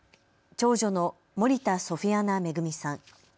長女の森田ソフィアナ恵さん。